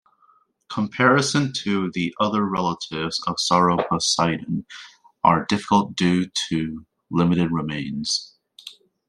Comparisons to the other relatives of "Sauroposeidon" are difficult due to limited remains.